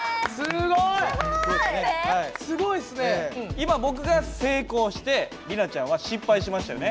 今僕が成功して里奈ちゃんは失敗しましたよね。